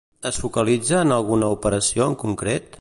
Es focalitza en alguna operació en concret?